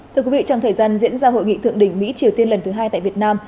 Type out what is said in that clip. thưa quý vị trong thời gian diễn ra hội nghị thượng đỉnh mỹ triều tiên lần thứ hai tại việt nam